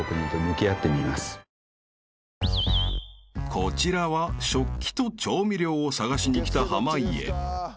［こちらは食器と調味料を探しに来た濱家］